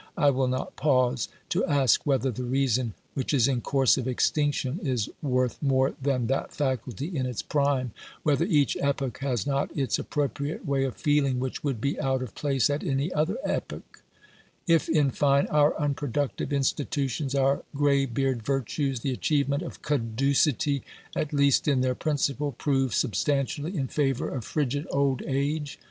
I will not pause to ask whether the reason which is in course of extinction is worth more than that faculty in its prime ; whether each epoch has not its 142 OBERMANN appropriate way of feeling which would be out of place at any other epoch ; if, in fine, our unproductive institutions, our greybeard virtues, the achievement of caducity, at least in their principle, prove substantially in favour of frigid old age.